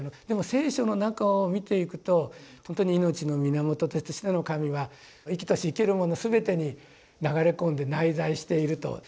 でも聖書の中を見ていくとほんとに命の源としての神は生きとし生けるもの全てに流れ込んで内在していると。